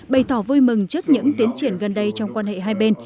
bày tỏ vui mừng trước những tiến triển gần đây trong quan hệ hai bên